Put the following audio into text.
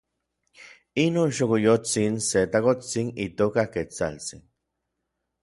inon xokoyotsin se takotsin itoka Ketsaltsin.